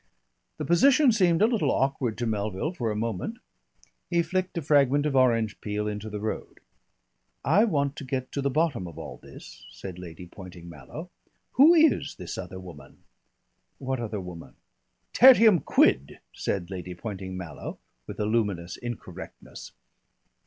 The position seemed a little awkward to Melville for a moment. He flicked a fragment of orange peel into the road. "I want to get to the bottom of all this," said Lady Poynting Mallow. "Who is this other woman?" "What other woman?" "Tertium quid," said Lady Poynting Mallow, with a luminous incorrectness.